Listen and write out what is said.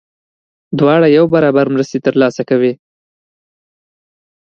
دواړه یو برابر مرستې ترلاسه کوي.